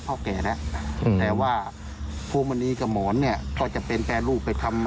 แก่แล้วแต่ว่าพวกมณีกับหมอนเนี่ยก็จะเป็นแปรรูปไปทำ